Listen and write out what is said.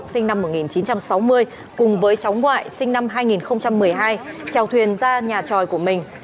sinh năm một nghìn chín trăm sáu mươi cùng với cháu ngoại sinh năm hai nghìn một mươi hai trèo thuyền ra nhà tròi của mình